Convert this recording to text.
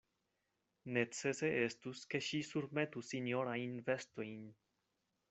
Necese estus, ke ŝi surmetu sinjorajn vestojn.